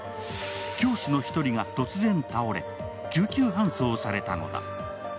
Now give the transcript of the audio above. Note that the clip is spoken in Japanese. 教師の１人が突然倒れ、救急搬送されたのだ。